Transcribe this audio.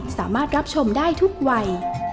สามารถรับชมได้ทุกวัย